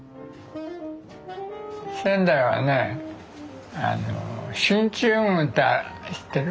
仙台はね進駐軍って知ってる？